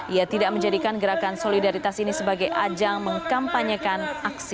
ia tidak menjadikan gerakan solidaritas ini sebagai ajang mengkampanyekan aksi